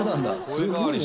すごいね。